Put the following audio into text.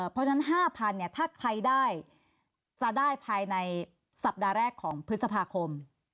เพราะฉะนั้น๕๐๐เนี่ยถ้าใครได้จะได้ภายในสัปดาห์แรกของพฤษภาคม